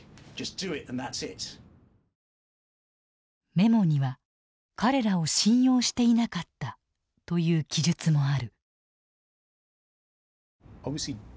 メモには「彼らを信用していなかった」という記述もある。